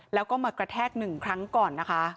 แล้วก็มากระแทก๑ครั้งก่อนนะคะ